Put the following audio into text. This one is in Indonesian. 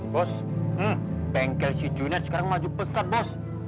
bos bengkel si junat sekarang maju pesat bos